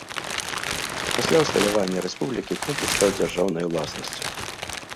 Пасля ўсталявання рэспублікі комплекс стаў дзяржаўнай уласнасцю.